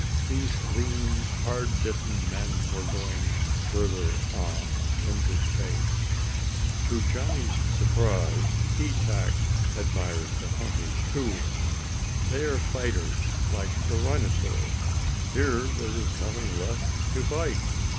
These lean hard bitten men were going further on into space. To Johnny's surprise Keetack admired the hunters, too. "They are fighters, like the rhinosaurs. Here there is nothing left to fight.